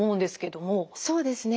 そうですね。